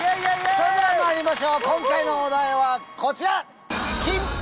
それではまいりましょう今回のお題はこちら！